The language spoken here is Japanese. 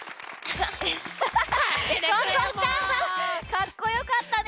かっこよかったね。